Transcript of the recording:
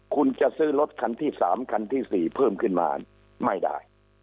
คุณจะซื้อรถคันที่๓คันที่๔เพิ่มขึ้นมาไม่ได้